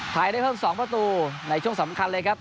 ไทยได้เพิ่ม๒ประตูในช่วงสำคัญเลยครับ